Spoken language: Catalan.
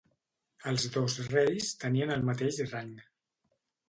Els dos reis tenien el mateix rang.